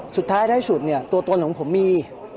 ท้ายที่สุดเนี่ยตัวตนของผมมี